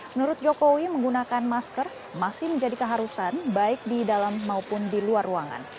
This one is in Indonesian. menurut jokowi menggunakan masker masih menjadi keharusan baik di dalam maupun di luar ruangan